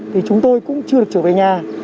thì chúng tôi cũng chưa được trở về nhà